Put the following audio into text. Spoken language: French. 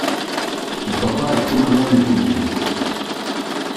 Et papa est commandant des pompiers.